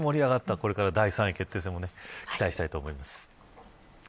これから３位決定戦も期待したいです。